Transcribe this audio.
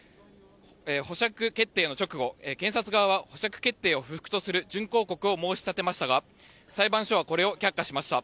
保釈決定の直後、検察側は保釈決定を不服とする準抗告を申し立てましたが裁判所はこれを却下しました。